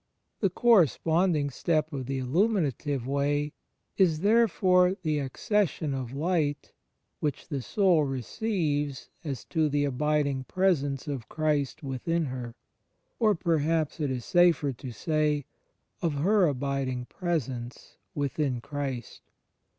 The corresponding step of the Illuminative Way is therefore the accession of light which the soul receives as to the abiding Presence of Christ within her, or — perhaps it is safer to say — of her abiding Presence within Christ.